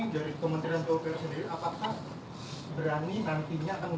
baik menjawab dulu pak